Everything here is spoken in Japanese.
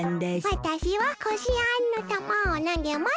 わたしはこしあんのたまをなげます！